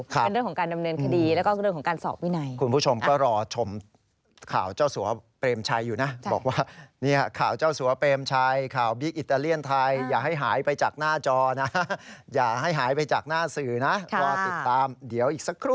ก็เรื่องของการดำเนินคดีแล้วก็เรื่องของการสอบวินัย